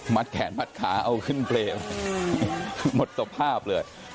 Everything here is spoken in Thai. แขนมัดขาเอาขึ้นเปลวหมดสภาพเลย